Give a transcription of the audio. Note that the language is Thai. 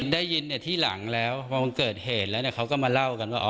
ได้ยินเนี้ยที่หลังแล้วเวลาเกิดเหตุแล้วเนี้ยเขาก็มาเล่ากันว่า